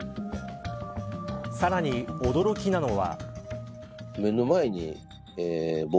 さらに、驚きなのは。